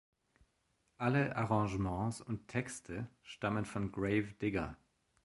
Alle Arrangements und Texte stammen von Grave Digger.